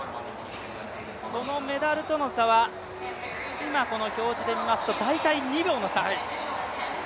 そのメダルとの差は今、この表示で見ますと、大体２秒の差。